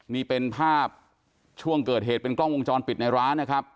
นี่เป็นภาพช่วงเกิดเหตุเป็นกล้องวงจรปิดในร้านนะครับ